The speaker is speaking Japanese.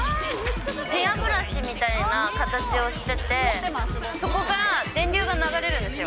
ヘアブラシみたいな形をしてて、そこから電流が流れるんですよ。